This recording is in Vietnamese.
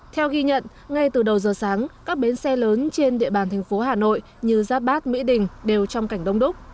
theo ghi nhận ngay từ đầu giờ sáng các bến xe lớn trên địa bàn thành phố hà nội như giáp bát mỹ đình đều trong cảnh đông đúc